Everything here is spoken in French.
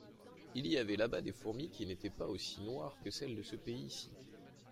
Il y avait là-bas des fourmis qui n’étaient pas aussi noires que celles de ce pays-ci.